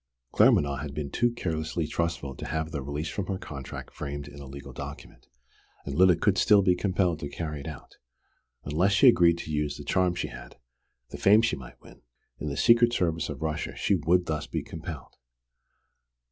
Claremanagh had been too carelessly trustful to have the release from her contract framed in a legal document, and Lyda could still be compelled to carry it out. Unless she agreed to use the charm she had, the fame she might win, in the secret service of Russia, she would be thus compelled!